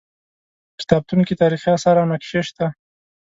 په کتابتون کې تاریخي اثار او نقشې شته.